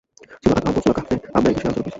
সূরা আনআম ও সূরা কাহফে আমরা এ বিষয়ে আলোচনা করেছি।